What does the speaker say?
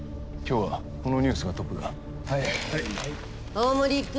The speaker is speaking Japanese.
大森君。